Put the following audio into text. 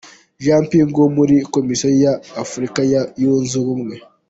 Jean Ping wo muri Komisiyo ya Afurika yunze Ubumwe.